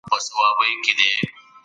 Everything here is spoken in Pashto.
خپلې سرچينې په سمه توګه وکاروئ.